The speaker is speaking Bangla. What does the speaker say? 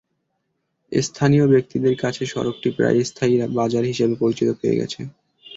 স্থানীয় ব্যক্তিদের কাছে সড়কটি প্রায় স্থায়ী বাজার হিসেবে পরিচিতি পেয়ে গেছে।